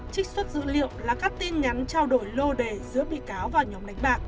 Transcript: trích xuất dữ liệu là các tin nhắn trao đổi lô đề giữa bị cáo và nhóm đánh bạc